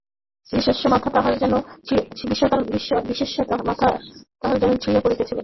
বিশেষত মাথা তাহার যেন ছিড়িয়া পড়িতেছিল।